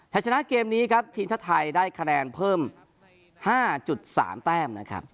ถ้าชนะเกมนี้ครับทีมชาติไทยได้คะแนนเพิ่ม๕๓แต้มนะครับ